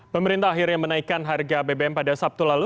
pemerintah akhirnya menaikkan harga bbm pada sabtu lalu